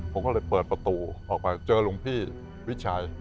ผมก็เลยเปิดประตูออกไปเจอหลวงพี่วิชัย